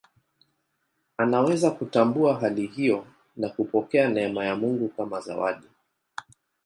Anaweza kutambua hali hiyo na kupokea neema ya Mungu kama zawadi.